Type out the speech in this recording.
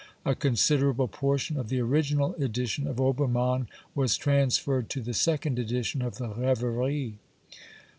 A considerable portion of the original edition of Obermann was transferred to the second edition of the Reveries.